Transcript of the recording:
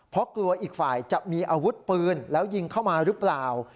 เพราะกลัวอีกฝ่ายจะมีอาวุธปืนแล้วยิงเข้ามาหรือเปล่า